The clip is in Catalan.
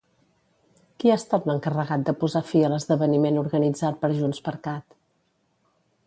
Qui ha estat l'encarregat de posar fi a l'esdeveniment organitzat per JxCat?